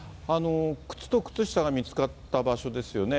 靴と靴下が見つかった場所ですよね。